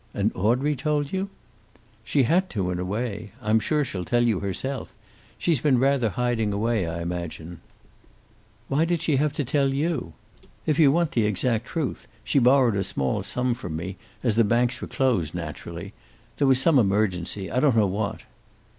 "And Audrey told you?" "She had to, in a way. I'm sure she'll tell you herself. She's been rather hiding away, I imagine." "Why did she have to tell you?" "If you want the exact truth, she borrowed a small sum from me, as the banks were closed, naturally. There was some emergency I don't know what."